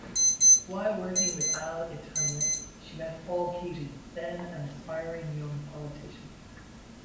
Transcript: While working with Alitalia, she met Paul Keating, then an aspiring young politician.